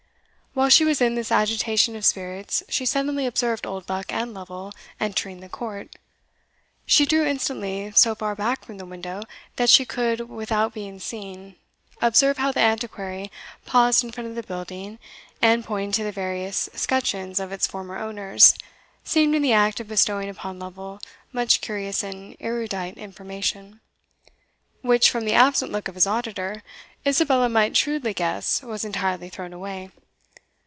While she was in this agitation of spirits, she suddenly observed Oldbuck and Lovel entering the court. She drew instantly so far back from the window, that she could without being seen, observe how the Antiquary paused in front of the building, and pointing to the various scutcheons of its former owners, seemed in the act of bestowing upon Lovel much curious and erudite information, which, from the absent look of his auditor, Isabella might shrewdly guess was entirely thrown away.